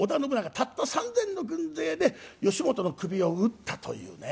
たった３，０００の軍勢で義元の首を討ったというね。